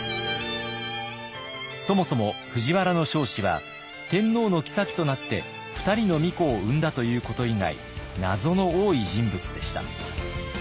そもそも藤原彰子は天皇の后となって２人の皇子を産んだということ以外謎の多い人物でした。